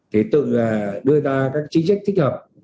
thì tự đưa ra các chính trích thích hợp